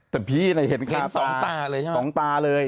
แต่พี่เห็นสองตาเลย